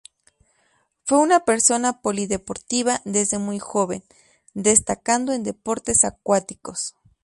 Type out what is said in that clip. Fue una persona polideportiva desde muy joven, destacando en deportes acuáticos.